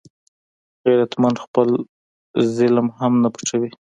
غیرتمند خپل ظلم هم نه پټوي